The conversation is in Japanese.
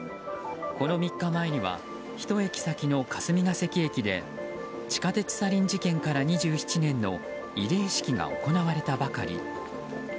この３日前には１駅先の霞ヶ関駅で地下鉄サリン事件から２７年の慰霊式が行われたばかり。